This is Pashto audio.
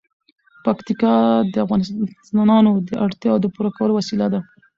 پکتیکا د افغانانو د اړتیاوو د پوره کولو وسیله ده.